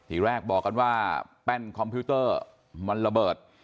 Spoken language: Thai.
อีกแรกบอกกันว่าแป้นคอมพิวเตอร์มันระเบิด